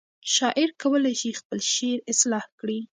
شاعر کولی شي خپل شعر اصلاح کړي.